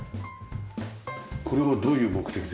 これはどういう目的ですか？